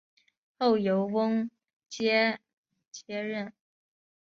后由翁楷接任。